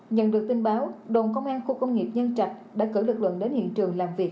nhận được tin báo đồn công an khu công nghiệp nhân trạch đã cử lực lượng đến hiện trường làm việc